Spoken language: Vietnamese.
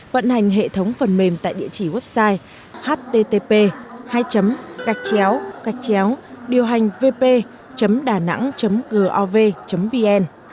vận hành hệ thống phần mềm tại địa chỉ website http vp danang gov vn